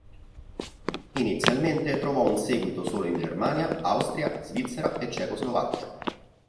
Inizialmente trovò un seguito solo in Germania, Austria, Svizzera e Cecoslovacchia.